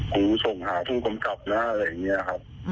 คงส่งหาผู้กำกับนะอะไรอย่างนี้ครับ